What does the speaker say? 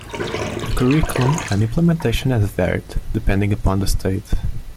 The curriculum and implementation has varied depending upon the state.